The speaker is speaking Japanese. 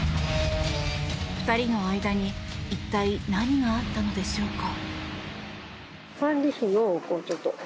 ２人の間に一体、何があったのでしょうか。